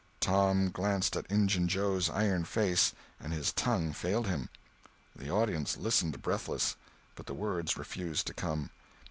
Tom glanced at Injun Joe's iron face and his tongue failed him. The audience listened breathless, but the words refused to come.